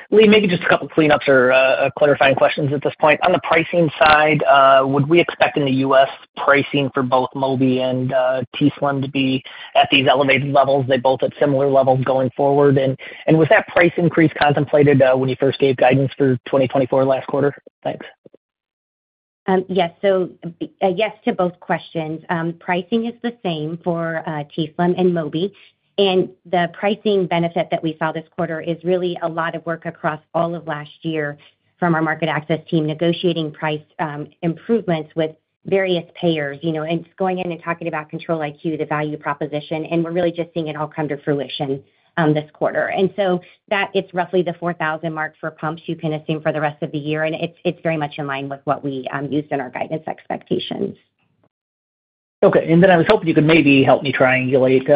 Lee, maybe just a couple of cleanups or clarifying questions at this point. On the pricing side, would we expect in the U.S. pricing for both Mobi and t:slim to be at these elevated levels? They both at similar levels going forward. And was that price increase contemplated when you first gave guidance for 2024 last quarter? Thanks. Yes. So yes to both questions. Pricing is the same for t:slim and Mobi. And the pricing benefit that we saw this quarter is really a lot of work across all of last year from our market access team negotiating price improvements with various payers and going in and talking about Control-IQ, the value proposition. And we're really just seeing it all come to fruition this quarter. And so it's roughly the $4,000 mark for pumps you can assume for the rest of the year. And it's very much in line with what we used in our guidance expectations. Okay. And then I was hoping you could maybe help me triangulate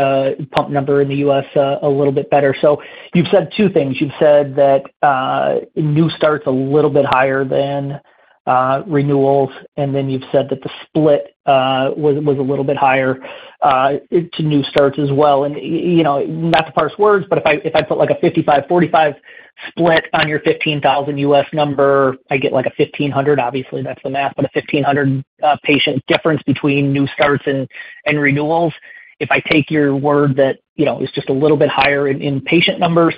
pump number in the U.S. a little bit better. So you've said two things. You've said that new starts a little bit higher than renewals. And then you've said that the split was a little bit higher to new starts as well. And not to parse words, but if I put a 55-45 split on your 15,000 U.S. number, I get a 1,500. Obviously, that's the math, but a 1,500 patient difference between new starts and renewals. If I take your word that it's just a little bit higher in patient numbers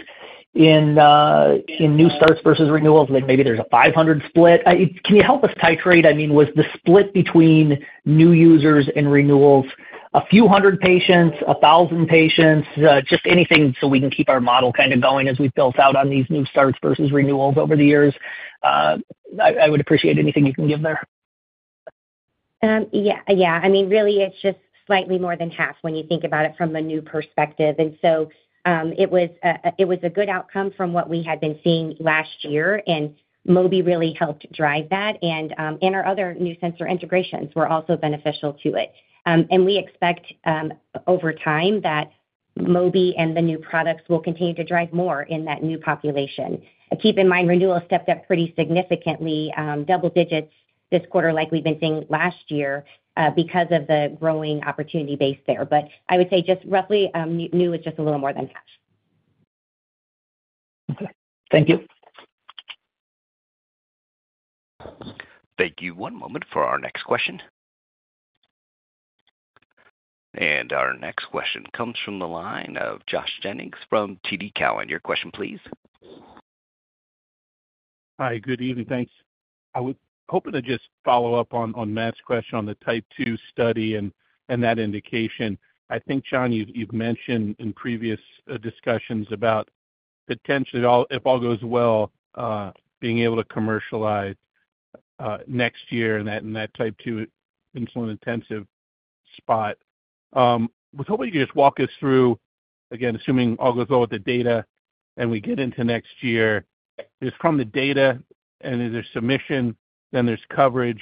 in new starts versus renewals, then maybe there's a 500 split. Can you help us titrate? I mean, was the split between new users and renewals a few hundred patients, 1,000 patients, just anything so we can keep our model kind of going as we've built out on these new starts versus renewals over the years? I would appreciate anything you can give there. Yeah. Yeah. I mean, really, it's just slightly more than half when you think about it from a new perspective. And so it was a good outcome from what we had been seeing last year, and Mobi really helped drive that. And our other new sensor integrations were also beneficial to it. And we expect, over time, that Mobi and the new products will continue to drive more in that new population. Keep in mind, renewals stepped up pretty significantly, double digits this quarter like we've been seeing last year because of the growing opportunity base there. But I would say just roughly, new is just a little more than half. Okay. Thank you. Thank you. One moment for our next question. Our next question comes from the line of Josh Jennings from TD Cowen. Your question, please. Hi. Good evening. Thanks. I was hoping to just follow up on Matt's question on the type 2 study and that indication. I think, John, you've mentioned in previous discussions about potentially, if all goes well, being able to commercialize next year in that type 2 insulin-intensive spot. I was hoping you could just walk us through, again, assuming all goes well with the data and we get into next year, just from the data, and is there submission, then there's coverage,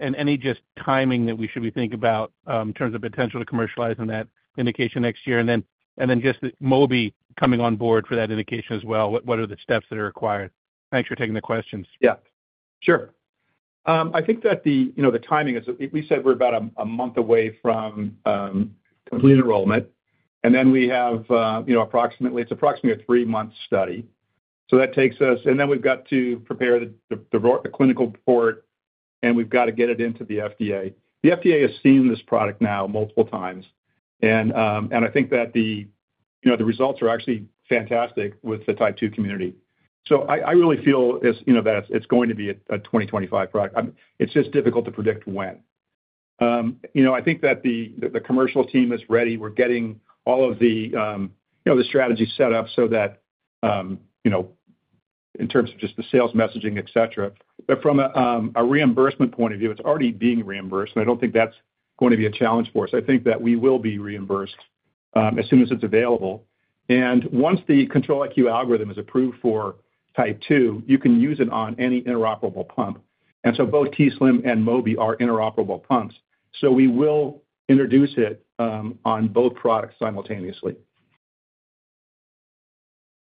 and any just timing that we should be thinking about in terms of potential to commercialize in that indication next year. And then just Mobi coming on board for that indication as well. What are the steps that are required? Thanks for taking the questions. Yeah. Sure. I think that the timing is we said we're about a month away from complete enrollment. And then we have approximately a three-month study. So that takes us and then we've got to prepare the clinical report, and we've got to get it into the FDA. The FDA has seen this product now multiple times. And I think that the results are actually fantastic with the Type 2 community. So I really feel that it's going to be a 2025 product. It's just difficult to predict when. I think that the commercial team is ready. We're getting all of the strategy set up so that in terms of just the sales messaging, etc. But from a reimbursement point of view, it's already being reimbursed, and I don't think that's going to be a challenge for us. I think that we will be reimbursed as soon as it's available. Once the Control-IQ algorithm is approved for type 2, you can use it on any interoperable pump. So both t:slim and Mobi are interoperable pumps. We will introduce it on both products simultaneously.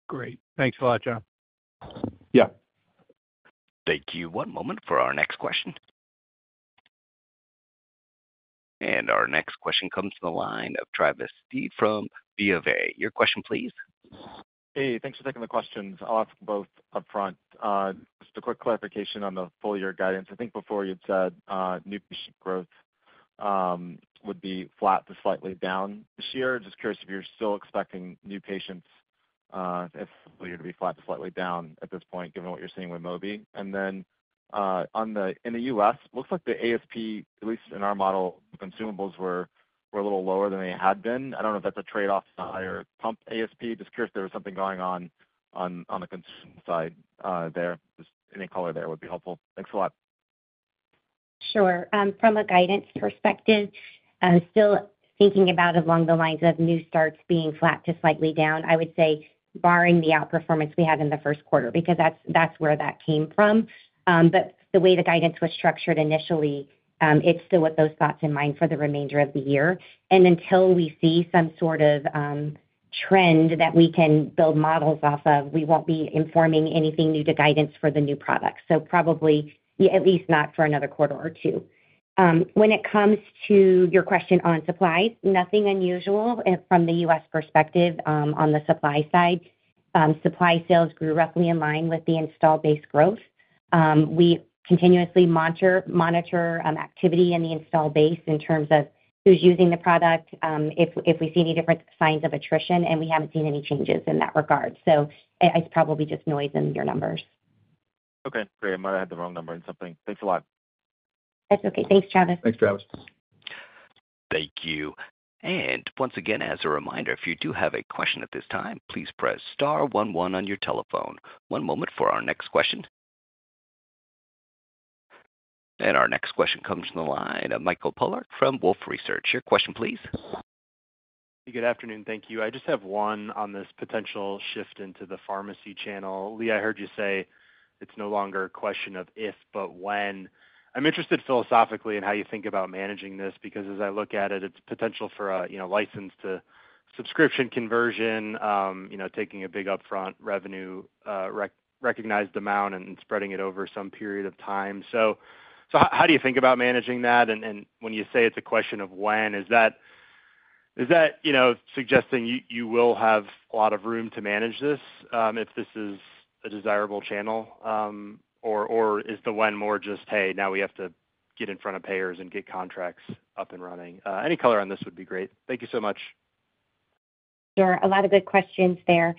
Great. Thanks a lot, John. Yeah. Thank you. One moment for our next question. Our next question comes from the line of Travis Steve from B of A. Your question, please. Hey. Thanks for taking the questions. I'll ask both up front. Just a quick clarification on the full-year guidance. I think before you'd said new patient growth would be flat to slightly down this year. Just curious if you're still expecting new patients if full year to be flat to slightly down at this point, given what you're seeing with Mobi. And then in the U.S., it looks like the ASP, at least in our model, consumables were a little lower than they had been. I don't know if that's a trade-off to the higher pump ASP. Just curious if there was something going on on the consumables side there. Just any color there would be helpful. Thanks a lot. Sure. From a guidance perspective, still thinking about along the lines of new starts being flat to slightly down, I would say barring the outperformance we had in the Q1 because that's where that came from. But the way the guidance was structured initially, it's still with those thoughts in mind for the remainder of the year. Until we see some sort of trend that we can build models off of, we won't be informing anything new to guidance for the new products. So probably, at least not for another quarter or two. When it comes to your question on supplies, nothing unusual from the U.S. perspective on the supply side. Supply sales grew roughly in line with the install base growth. We continuously monitor activity in the install base in terms of who's using the product, if we see any different signs of attrition, and we haven't seen any changes in that regard. So it's probably just noise in your numbers. Okay. Great. I might have had the wrong number in something. Thanks a lot. That's okay. Thanks, Travis. Thanks, Travis. Thank you. And once again, as a reminder, if you do have a question at this time, please press star 11 on your telephone. One moment for our next question. And our next question comes from the line of Michael Pollard from Wolfe Research. Your question, please. Hey. Good afternoon. Thank you. I just have one on this potential shift into the pharmacy channel. Lee, I heard you say it's no longer a question of if, but when. I'm interested philosophically in how you think about managing this because, as I look at it, it's potential for a license-to-subscription conversion, taking a big upfront revenue recognized amount and spreading it over some period of time. So how do you think about managing that? And when you say it's a question of when, is that suggesting you will have a lot of room to manage this if this is a desirable channel? Or is the when more just, "Hey, now we have to get in front of payers and get contracts up and running"? Any color on this would be great. Thank you so much. Sure. A lot of good questions there.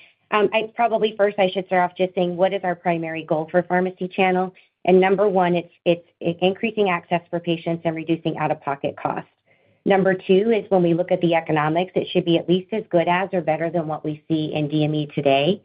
First, I should start off just saying, what is our primary goal for pharmacy channel? And number one, it's increasing access for patients and reducing out-of-pocket cost. Number two is, when we look at the economics, it should be at least as good as or better than what we see in DME today.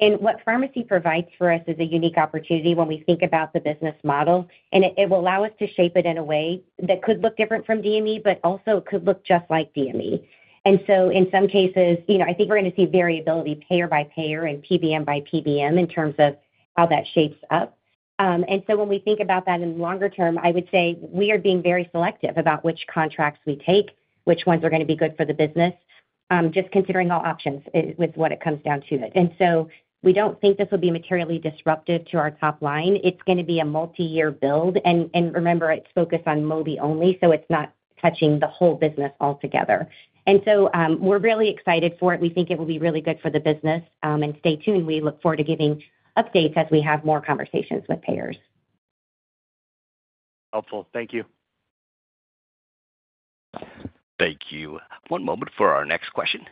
And what pharmacy provides for us is a unique opportunity when we think about the business model. And it will allow us to shape it in a way that could look different from DME, but also it could look just like DME. And so, in some cases, I think we're going to see variability payer by payer and PBM by PBM in terms of how that shapes up. When we think about that in the longer term, I would say we are being very selective about which contracts we take, which ones are going to be good for the business, just considering all options with what it comes down to. We don't think this will be materially disruptive to our top line. It's going to be a multi-year build. Remember, it's focused on Mobi only, so it's not touching the whole business altogether. We're really excited for it. We think it will be really good for the business. Stay tuned. We look forward to giving updates as we have more conversations with payers. Helpful. Thank you. Thank you. One moment for our next question.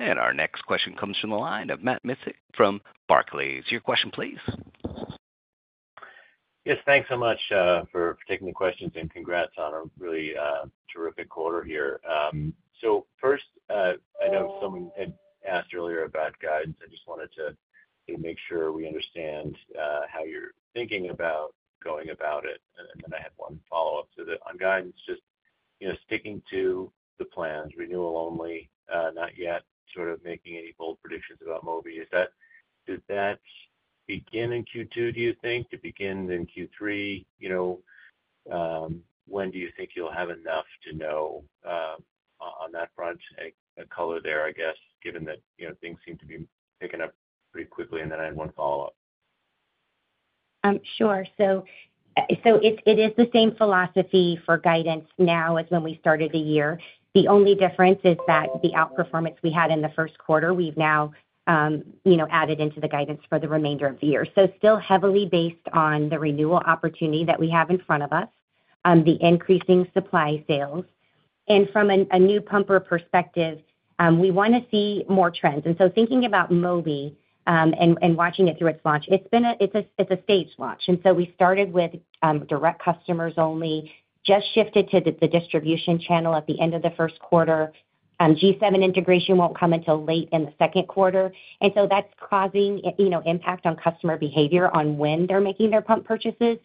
Our next question comes from the line of Matt Misic from Barclays. Your question, please. Yes. Thanks so much for taking the questions, and congrats on a really terrific quarter here. So first, I know someone had asked earlier about guidance. I just wanted to make sure we understand how you're thinking about going about it. And then I had one follow-up to that. On guidance, just sticking to the plans, renewal only, not yet sort of making any bold predictions about Mobi. Does that begin in Q2, do you think? To begin in Q3, when do you think you'll have enough to know on that front? A color there, I guess, given that things seem to be picking up pretty quickly. And then I had one follow-up. Sure. So it is the same philosophy for guidance now as when we started the year. The only difference is that the outperformance we had in the Q1, we've now added into the guidance for the remainder of the year. So still heavily based on the renewal opportunity that we have in front of us, the increasing supply sales. And from a new pumper perspective, we want to see more trends. And so thinking about Mobi and watching it through its launch, it's a staged launch. And so we started with direct customers only, just shifted to the distribution channel at the end of the Q1. G7 integration won't come until late in the Q2. And so that's causing impact on customer behavior on when they're making their pump purchases.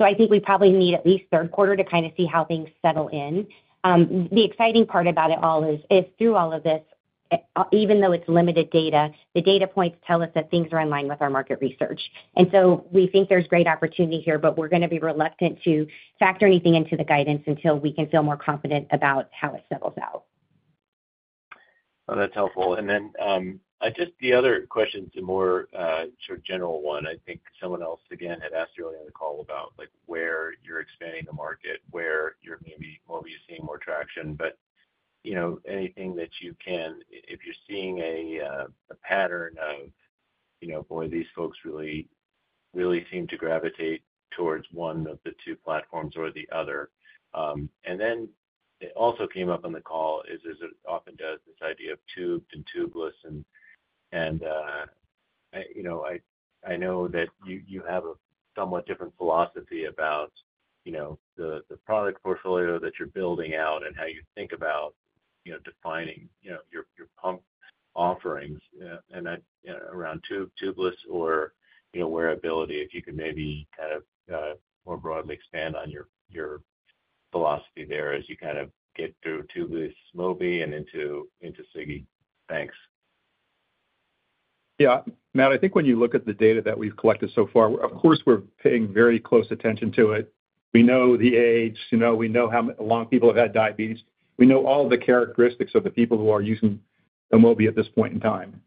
I think we probably need at least Q3 to kind of see how things settle in. The exciting part about it all is, through all of this, even though it's limited data, the data points tell us that things are in line with our market research. So we think there's great opportunity here, but we're going to be reluctant to factor anything into the guidance until we can feel more confident about how it settles out. Oh, that's helpful. And then just the other question is a more sort of general one. I think someone else, again, had asked earlier on the call about where you're expanding the market, where maybe Mobi is seeing more traction. But anything that you can, if you're seeing a pattern of, "Boy, these folks really seem to gravitate towards one of the two platforms or the other." And then it also came up on the call is, as it often does, this idea of tubed and tubeless. And I know that you have a somewhat different philosophy about the product portfolio that you're building out and how you think about defining your pump offerings around tubeless or wearability, if you could maybe kind of more broadly expand on your philosophy there as you kind of get through tubeless, Mobi, and into CGM. Thanks. Yeah. Matt, I think when you look at the data that we've collected so far, of course, we're paying very close attention to it. We know the age. We know how long people have had diabetes. We know all of the characteristics of the people who are using the Mobi at this point in time.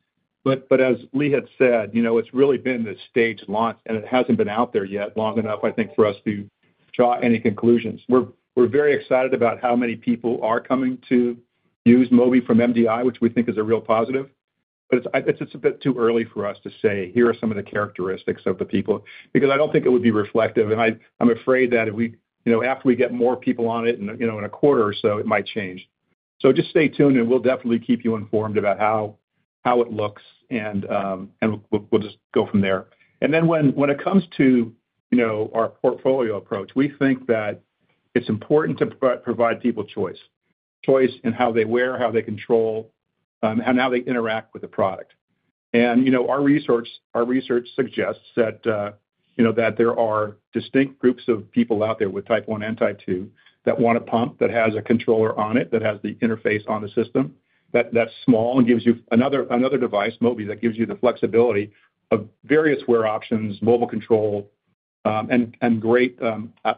But as Lee had said, it's really been this staged launch, and it hasn't been out there yet long enough, I think, for us to draw any conclusions. We're very excited about how many people are coming to use Mobi from MDI, which we think is a real positive. But it's a bit too early for us to say, "Here are some of the characteristics of the people," because I don't think it would be reflective. And I'm afraid that after we get more people on it in a quarter or so, it might change. So just stay tuned, and we'll definitely keep you informed about how it looks, and we'll just go from there. And then when it comes to our portfolio approach, we think that it's important to provide people choice, choice in how they wear, how they control, and how they interact with the product. And our research suggests that there are distinct groups of people out there with type 1 and type 2 that want a pump that has a controller on it, that has the interface on the system, that's small and gives you another device, Mobi, that gives you the flexibility of various wear options, mobile control, and great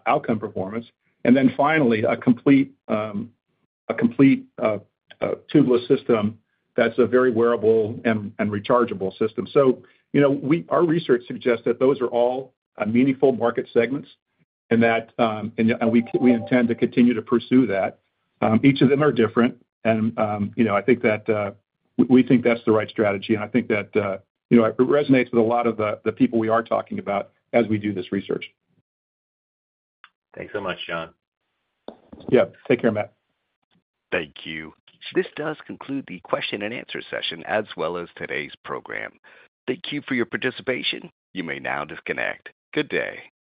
outcome performance. And then finally, a complete tubeless system that's a very wearable and rechargeable system. So our research suggests that those are all meaningful market segments and that we intend to continue to pursue that. Each of them are different. I think that we think that's the right strategy. I think that it resonates with a lot of the people we are talking about as we do this research. Thanks so much, John. Yeah. Take care, Matt. Thank you. This does conclude the question-and-answer session as well as today's program. Thank you for your participation. You may now disconnect. Good day.